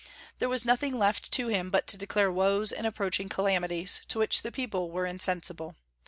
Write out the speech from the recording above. There was nothing left to him but to declare woes and approaching calamities, to which the people were insensible.